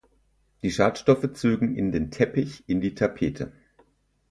Die Schadstoffe zögen in den Teppich, in die Tapete.